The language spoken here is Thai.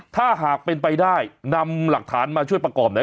ถ้าหากเป็นไปได้นำหลักฐานมาช่วยประกอบไหน